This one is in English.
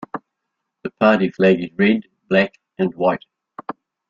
The party flag is red, black and white.